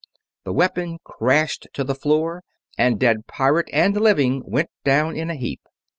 The weapon crashed to the floor and dead pirate and living went down in a heap.